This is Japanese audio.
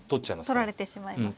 取られてしまいますね。